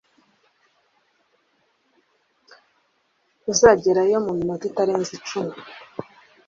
Uzagerayo muminota itarenze icumi.